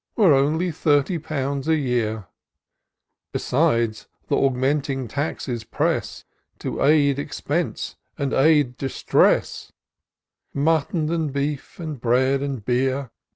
Were only thirty pounds a year. Besides, th' augmenting taxes press. To aid expense and add distress : Mutton and beef, and bread and beer.